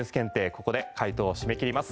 ここで回答締め切ります。